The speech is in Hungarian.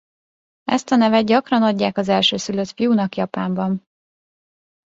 Ezt a nevet gyakran adják az elsőszülött fiúnak Japánban.